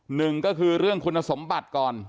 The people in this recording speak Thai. หนึ่งก็คือเรื่องคุณสมบัติก่อน